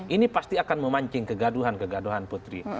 ini pasti akan memancing kegaduhan kegaduhan putri